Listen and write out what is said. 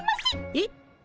えっ？